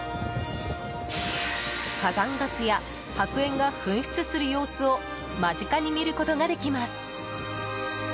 火山ガスや白煙が噴出する様子を間近に見ることができます。